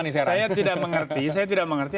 saya tidak mengerti